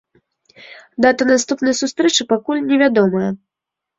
Дата наступнай сустрэчы пакуль не вядомая.